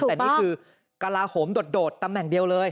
แต่นี่คือกระลาโหมโดดตำแหน่งเดียวเลย